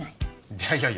いやいやいや。